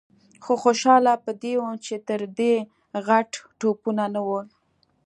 خو خوشاله په دې وم چې تر دې غټ توپونه نه ول.